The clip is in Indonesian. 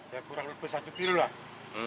ya kurang lebih satu kilo lah